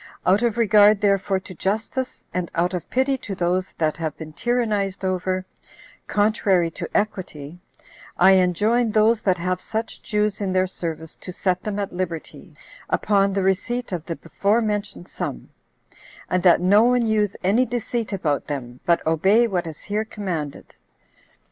Out of regard therefore to justice, and out of pity to those that have been tyrannized over, contrary to equity, I enjoin those that have such Jews in their service to set them at liberty, upon the receipt of the before mentioned sum; and that no one use any deceit about them, but obey what is here commanded.